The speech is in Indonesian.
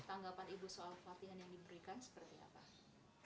tanggapan ibu soal pelatihan yang diberikan seperti apa